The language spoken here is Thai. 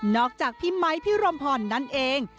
จากพี่ไมค์พี่รมพรนั่นเอง